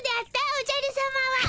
おじゃるさまは。